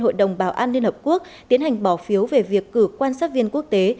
hội đồng bảo an liên hợp quốc tiến hành bỏ phiếu về việc cử quan sát viên quốc tế